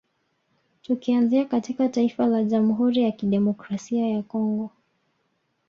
Tukianzia katika taifa la Jamhuri ya Kidemokrasaia ya Congo